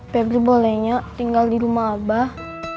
pebri bolehnya tinggal di rumah abah